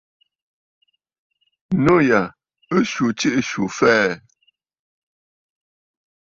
Nû yà ɨ swu jiʼì swù fɛɛ̀.